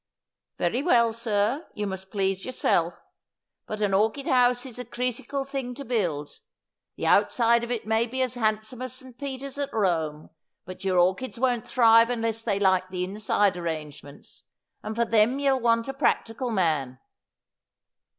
' Very well, sir, you must please yourself. But an orchid house is a creetical thing to build. The outside of it may be as handsome as St. Peter's at Rome ; but your orchids won't thrive unless they like the inside arrangements, and for them ye'll want a practical man.'